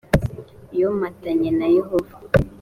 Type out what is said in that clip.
s yomatanye na yehova